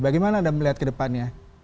bagaimana anda melihat ke depannya